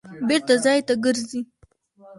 بېرته ځای ته ګرځي.